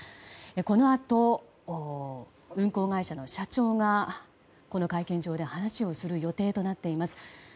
このあと、運航会社の社長がこの会見場で話をする予定となっています。